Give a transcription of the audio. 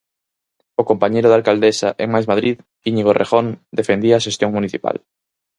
O compañeiro da alcaldesa en Mais Madrid, Íñigo Errejón, defendía a xestión municipal.